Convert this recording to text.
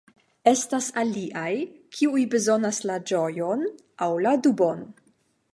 Estas aliaj, kiuj bezonas la ĝojon aŭ la dubon